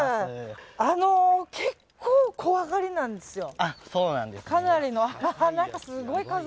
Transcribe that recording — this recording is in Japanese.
あの、結構怖がりなんですよ。